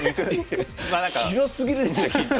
広すぎるでしょヒント。